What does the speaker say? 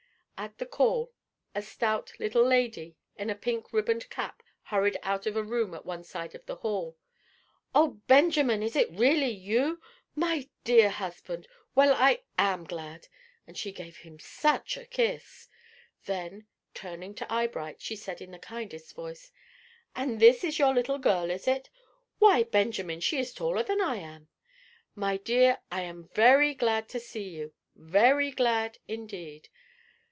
At the call, a stout little lady, in a pink ribboned cap, hurried out of a room at one side of the hall. "Oh, Benjamin, is it really you? My dear husband. Well, I am glad;" and she gave him such a kiss. Then, turning to Eyebright, she said in the kindest voice, "And this is your little girl, is it? Why, Benjamin, she is taller than I am! My dear, I am very glad to see you; very glad, indeed.